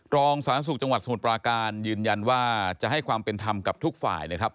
รองสาธารณสุขจังหวัดสมุทรปราการยืนยันว่าจะให้ความเป็นธรรมกับทุกฝ่ายนะครับ